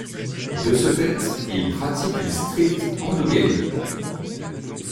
De ce fait ils pratiquent une stricte endogamie.